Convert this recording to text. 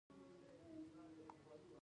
کرکټ د ملګرو ترمنځ یووالی زیاتوي.